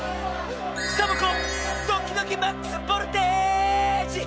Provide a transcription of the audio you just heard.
サボ子ドキドキマックスボルテージ！